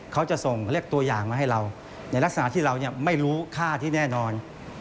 เขาจะส่งเลขตัวอย่างมาให้เราในลักษณะที่เราไม่รู้ค่าที่แน่นอน